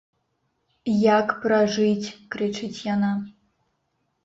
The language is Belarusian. Як пражыць, крычыць яна.